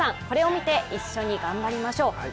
これを見て一緒に頑張りましょう。